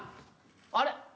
あれ？